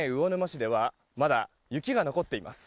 新潟県魚沼市ではまだ雪が残っています。